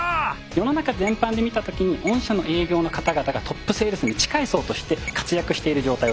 世の中全般で見た時に御社の営業の方々がトップセールスに近い層として活躍している状態をつくる。